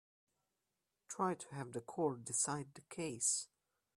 Try to have the court decide the case.